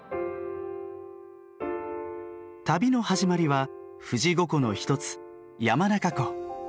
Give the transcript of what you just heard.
旅の始まりは富士五湖の一つ山中湖。